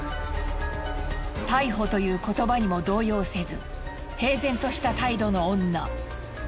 逮捕という言葉にも動揺せず平然とした態度の女。